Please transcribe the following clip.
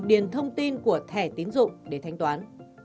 điền thông tin của thẻ tiến dụng để thanh toán